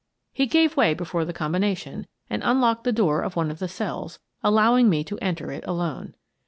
He gave way before the combination and unlocked the door of one of the cells, allowing me to enter it alone.